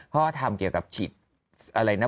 เพราะว่าทำเกี่ยวกับชิบอะไรนะ